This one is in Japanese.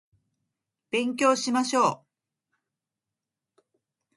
勉強しましょう